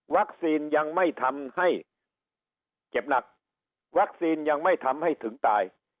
ยังไม่ทำให้เจ็บหนักวัคซีนยังไม่ทำให้ถึงตาย